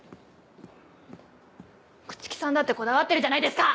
口木さんだってこだわってるじゃないですか！